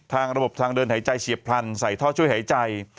ระบบทางเดินหายใจเฉียบพลันใส่ท่อช่วยหายใจ